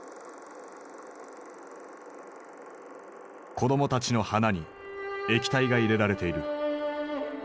子供たちの鼻に液体が入れられている。